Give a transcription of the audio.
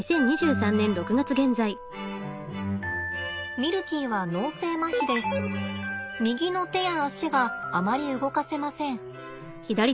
ミルキーは脳性まひで右の手や足があまり動かせません。